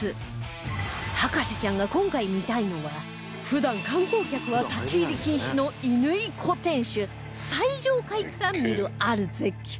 博士ちゃんが今回見たいのは普段観光客は立ち入り禁止の乾小天守最上階から見るある絶景